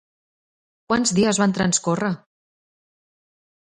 Quants dies van transcórrer?